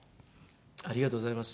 ありがとうございます。